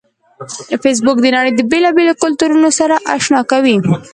فېسبوک د نړۍ د بیلابیلو کلتورونو سره آشنا کوي